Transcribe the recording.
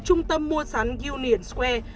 trung tâm mua sán union square